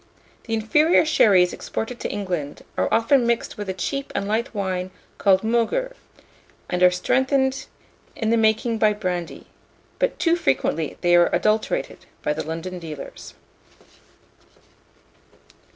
The inferior sherries exported to England are often mixed with a cheap and light wine called Moguer, and are strengthened in the making by brandy; but too frequently they are adulterated by the London dealers.